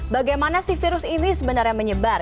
bagaimana sih virus ini sebenarnya menyebar